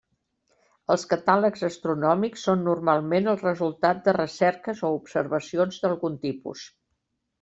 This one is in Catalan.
Els catàlegs astronòmics són normalment el resultat de recerques o observacions d'algun tipus.